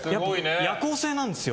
夜行性なんですよ。